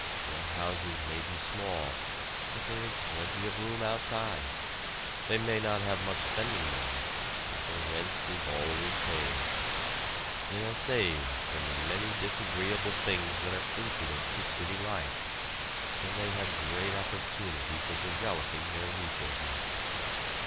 Their houses may be small, but there is plenty of room outside; they may not have much spending money, but the rent is always paid; they are saved from the many disagreeable things that are incident to city life, and they have great opportunity for developing their resources.